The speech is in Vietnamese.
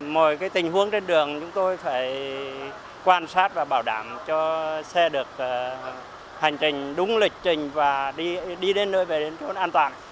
mọi tình huống trên đường chúng tôi phải quan sát và bảo đảm cho xe được hành trình đúng lịch trình và đi đến nơi về đến chỗ an toàn